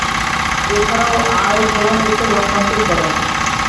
এছাড়া আয়ের প্রধান উৎস যন্ত্রাংশ উৎপাদন।